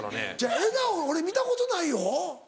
笑顔俺見たことないよ。